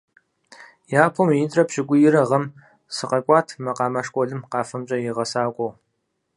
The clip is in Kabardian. Япэу минитӀрэ пщӀыкӀуирэ гъэм сыкъэкӀуат макъамэ школым къафэмкӀэ и гъэсакӀуэу.